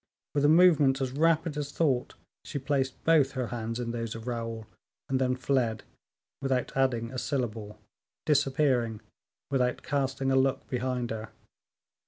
With a movement as rapid as thought, she placed both her hands in those of Raoul, and then fled, without adding a syllable; disappearing without casting a look behind her.